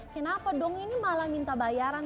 kenapa dong ini malah minta bayaran